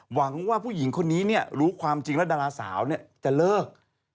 หวังว่าผู้หญิงคนนี้รู้ความจริงแล้วดาราสาวจะเลิก